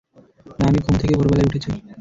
না, আমি ঘুম থেকে ভোর বেলায় উঠেছি।